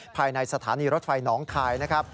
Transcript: ภายในสถานีรถไฟหนองคายนะครับ